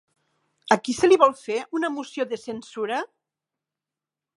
A qui se li vol fer una moció de censura?